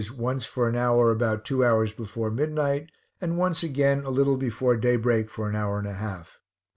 once for an hour about two hours before midnight, and once again a little before day break for an hour and a half.